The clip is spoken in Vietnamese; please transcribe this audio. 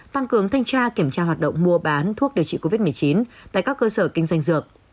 tăng cường thanh tra kiểm tra hoạt động mua bán thuốc điều trị covid một mươi chín tại các cơ sở kinh doanh dược